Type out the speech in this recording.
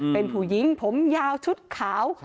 เป็นผู้หญิงผมยาวชุดขาว